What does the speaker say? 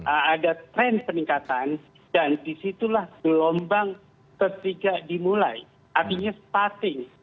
ada tren peningkatan dan disitulah gelombang ketiga dimulai artinya sparting